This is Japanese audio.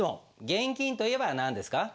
現金といえば何ですか？